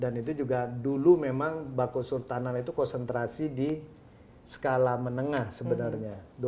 dan itu juga dulu memang bako surtanan itu konsentrasi di skala menengah sebenarnya